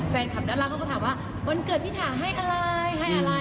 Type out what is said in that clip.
แฟนคลับด้านล่างเขาก็ถามว่าวันเกิดพี่ถาให้อะไรให้อะไร